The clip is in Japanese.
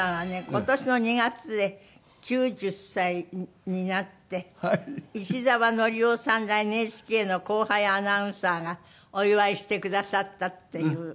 今年の２月で９０歳になって石澤典夫さんらＮＨＫの後輩アナウンサーがお祝いしてくださったっていう。